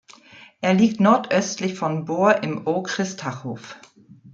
Er liegt nordöstlich von Bor im Okres Tachov.